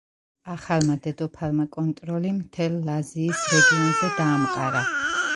ახალმა დედოფალმა კონტროლი მთელ ლაზიის რეგიონზე დაამყარა.